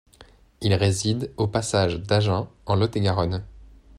Il réside au Passage d'Agen en Lot-et-Garonne.